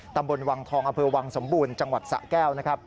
ตำบลวังทองอเภอวังสมบูรณ์จังหวัดสะแก้ว